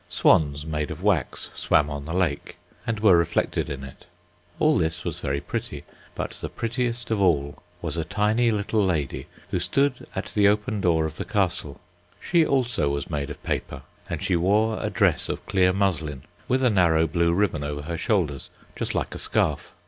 Swans, made of wax, swam on the lake, and were reflected in it. All this was very pretty, but the prettiest of all was a tiny little lady, who stood at the open door of the castle; she, also, was made of paper, and she wore a dress of clear muslin, with a narrow blue ribbon over her shoulders just like a scarf.